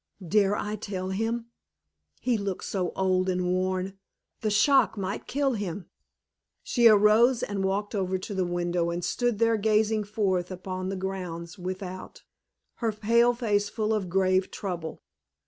Dare I tell him? He looks so old and worn, the shock might kill him." She arose and walked over to the window, and stood there gazing forth upon the grounds without, her pale face full of grave trouble.